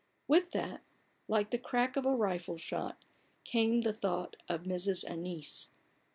With that, like the crack of a rifle shot, came the thought of Mrs. Annice.